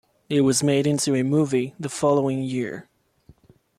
It was made into a movie the following year.